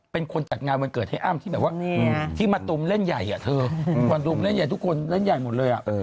เป็นคนจัดงานวันเกิดให้อ้ำที่มะตุมเล่นใหญ่ทุกคนเล่นใหญ่หมดเลย